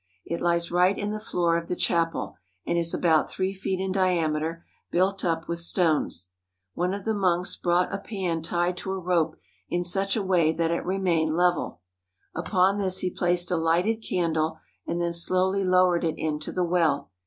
It lies right in the floor of the chapel and is about three feet in diameter, built up with stones. One of the monks brought a pan tied to a rope in such a way that it remained level. Upon this he placed a lighted candle and then slowly lowered it into the well.